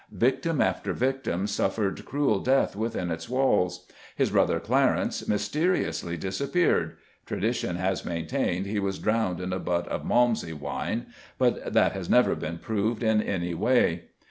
Victim after victim suffered cruel death within its walls. His brother Clarence mysteriously disappeared tradition has maintained he was drowned in a butt of Malmsey wine, but that has never been proved in any way.